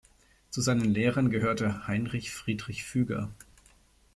Zu seinen Lehrern gehörte Heinrich Friedrich Füger.